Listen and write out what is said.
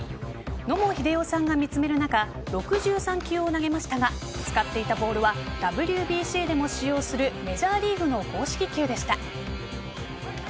野茂英雄さんが見つめる中６３球を投げましたが使っていたボールはＷＢＣでも使用するメジャーリーグの公式球でした。